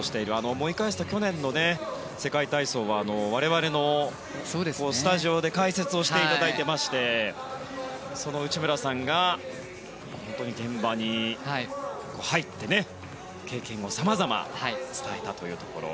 思い返すと去年の世界体操は我々のスタジオで解説をしていただいていましてその内村さんが現場に入って経験をさまざま伝えたというところ。